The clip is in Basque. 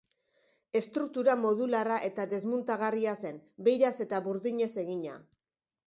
Estruktura modularra eta desmuntagarria zen, beiraz eta burdinez egina.